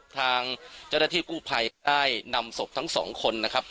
ทางเจ้าหน้าที่กู้ภัยได้นำศพทั้งสองคนนะครับ